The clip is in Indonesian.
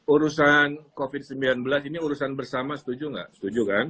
urusan covid sembilan belas ini urusan bersama setuju nggak setuju kan